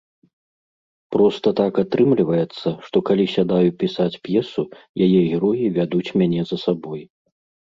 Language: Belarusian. Проста так атрымліваецца, што, калі сядаю пісаць п'есу, яе героі вядуць мяне за сабой.